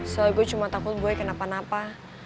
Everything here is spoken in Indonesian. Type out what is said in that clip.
soalnya gue cuma takut gue kenapa napa